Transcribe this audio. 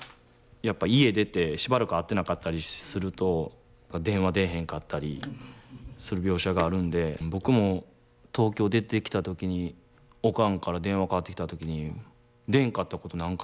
やっぱ家出てしばらく会ってなかったりすると電話出えへんかったりする描写があるんで僕も東京出てきた時におかんから電話かかってきた時に出んかったこと何回もありますもんね。